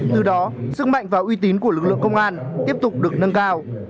từ đó sức mạnh và uy tín của lực lượng công an tiếp tục được nâng cao